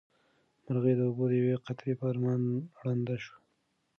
مرغۍ د اوبو د یوې قطرې په ارمان ړنده شوه.